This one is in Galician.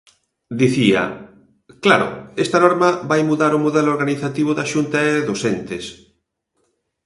Dicía: claro, esta norma vai mudar o modelo organizativo da Xunta e dos entes.